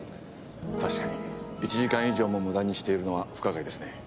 確かに１時間以上も無駄にしているのは不可解ですね。